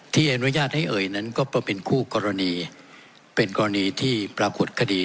ที่อนุญาตให้เอ่ยนั้นก็เพราะเป็นคู่กรณีเป็นกรณีที่ปรากฏคดี